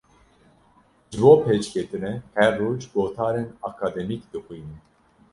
Ji bo pêşketinê her roj gotarên akademîk dixwînim.